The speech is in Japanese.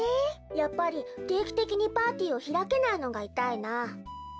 やっぱりていきてきにパーティーをひらけないのがいたいな。